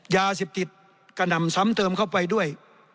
ยาเสพติดกระหน่ำซ้ำเติมเข้าไปด้วย